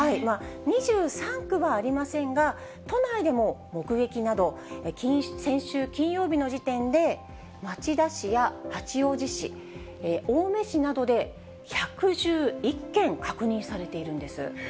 ２３区はありませんが、都内でも目撃など、先週金曜日の時点で、町田市や八王子市、青梅市などで１１１件確認されているんです。